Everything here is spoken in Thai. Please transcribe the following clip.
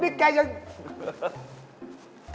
มีความรู้สึกว่า